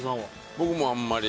僕もあんまり。